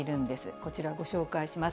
こちらご紹介します。